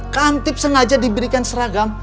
kamtip sengaja diberikan seragam